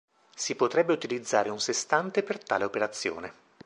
Si potrebbe utilizzare un sestante per tale operazione.